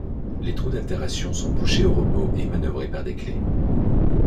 Les trous d'altération sont bouchés au repos et manœuvrés par des clefs.